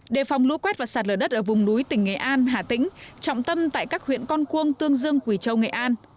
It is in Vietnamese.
sông lờ đất ở vùng núi tỉnh nghệ an hà tĩnh trọng tâm tại các huyện con quương tương dương quỳ châu nghệ an